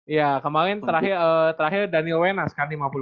iya kemarin terakhir daniel wenas kan lima puluh empat